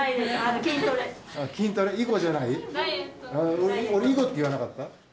俺囲碁って言わなかった？